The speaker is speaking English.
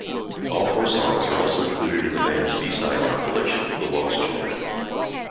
All four songs are also included in the band's b-side compilation, "The Lost Children".